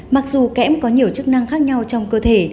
mặc dù kém có nhiều chức năng khác nhau trong cơ thể